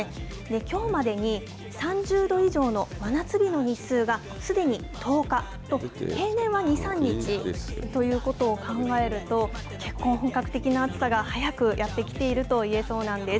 きょうまでに３０度以上の真夏日の日数がすでに１０日と、平年は２、３日ということを考えると、結構、本格的な暑さが早くやって来ているといえそうなんです。